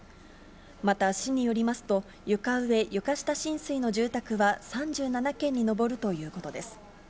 また市によりますと、床上・床下浸水の住宅は３７軒に上るということです。